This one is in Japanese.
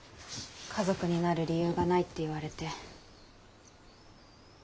「家族になる理由がない」って言われて。